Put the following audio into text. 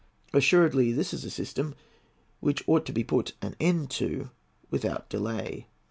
Assuredly this is a system which ought to be put an end to without delay."